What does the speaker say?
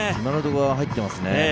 今のところ、入ってますね